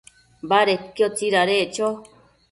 Badedquio tsidadeccho